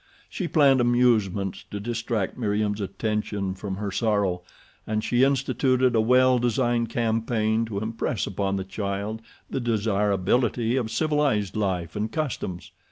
She planned amusements to distract Meriem's attention from her sorrow, and she instituted a well designed campaign to impress upon the child the desirability of civilized life and customs.